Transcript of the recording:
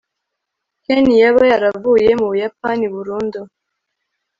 ken yaba yaravuye mu buyapani burundu